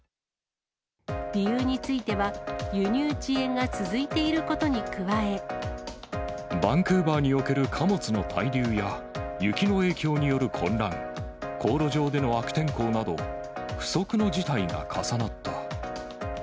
理由については、バンクーバーにおける貨物の滞留や、雪の影響による混乱、航路上での悪天候など、不測の事態が重なった。